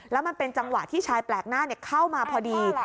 แล้วมันเป็นจังหวะที่ชายแปลกหน้าเข้ามาพอดี